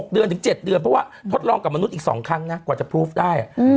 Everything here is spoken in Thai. เดือนถึง๗เดือนเพราะว่าทดลองกับมนุษย์อีก๒ครั้งนะกว่าจะพลูฟได้